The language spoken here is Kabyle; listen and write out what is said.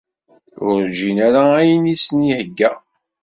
Ur ṛǧin ara ayen i sen-ihegga.